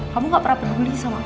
kamu gak pernah peduli sama aku